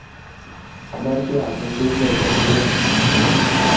Amche atil sumek chechuket